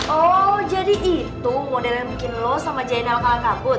oh jadi itu model yang bikin lo sama jainal kalah kabut